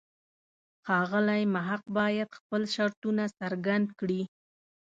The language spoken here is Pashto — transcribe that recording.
ښاغلی محق باید خپل شرطونه څرګند کړي.